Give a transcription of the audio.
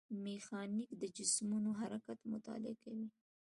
میخانیک د جسمونو حرکت مطالعه کوي.